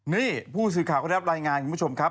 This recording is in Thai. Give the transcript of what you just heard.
นี่ผู้สื่อข่าวก็ได้รับรายงานคุณผู้ชมครับ